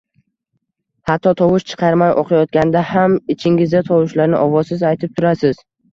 Hatto tovush chiqarmay oʻqiyotganda ham, ichingizda tovushlarni ovozsiz aytib turasiz